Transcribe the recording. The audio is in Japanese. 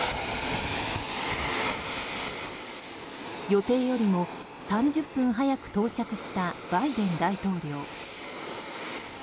予定よりも３０分早く到着したバイデン大統領。